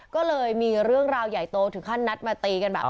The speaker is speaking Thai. ก็เลยมีเรื่องราวใหญ่โตถึงขั้นนัดมาตีกันแบบนี้